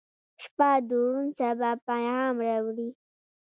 • شپه د روڼ سبا پیغام راوړي.